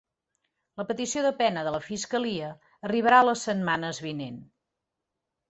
La petició de pena de la fiscalia arribarà les setmanes vinent.